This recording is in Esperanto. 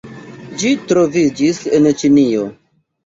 Ĝi troviĝis en Ĉinio.